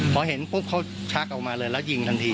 พอเห็นปุ๊บเขาชักออกมาเลยแล้วยิงทันที